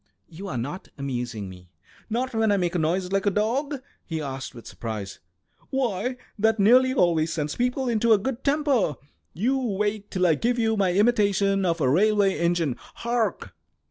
"You are not amusing me!" "Not when I make a noise like a dog?" he asked, with surprise. "Why, that nearly always sends people into a good temper. You wait till I give you my imitation of a railway engine. Hark!"